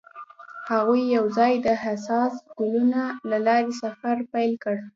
هغوی یوځای د حساس ګلونه له لارې سفر پیل کړ.